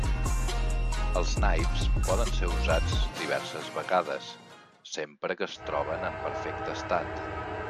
Els naips poden ser usats diverses vegades, sempre que es troben en perfecte estat.